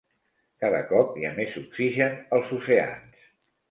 Cada cop hi ha més oxigen als oceans